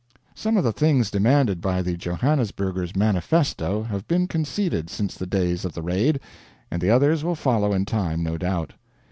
Some of the things demanded by the Johannesburgers' Manifesto have been conceded since the days of the Raid, and the others will follow in time, no doubt.